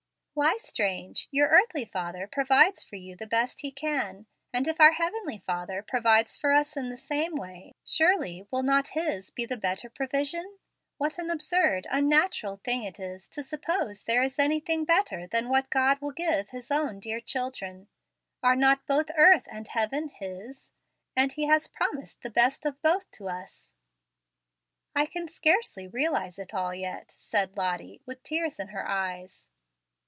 "Why strange? Your earthly father provides for you the best he can; and if our Heavenly Father provides for us in the same way, surely will not His be the better provision? What an absurd, unnatural thing it is to suppose there is anything better than what God will give His own dear children. Are not both earth and heaven His? and He has promised the best of both to us." "I can scarcely realize it all yet," said Lottie, with tears in her eyes.